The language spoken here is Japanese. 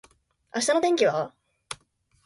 明日の天気は？